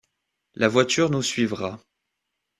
La voiture nous suivra...